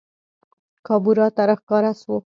کابورا ته راښکاره سوو